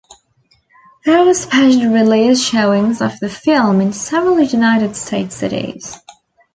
There were special-release showings of the film in several United States cities.